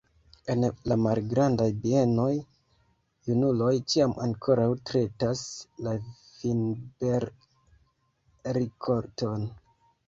En la malgrandaj bienoj junuloj ĉiam ankoraŭ tretas la vinber-rikolton.